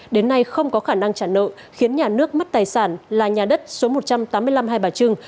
đến nay không có khả năng trả nợ khiến nhà nước mất tài sản là nhà đất số một trăm tám mươi năm hai bà trưng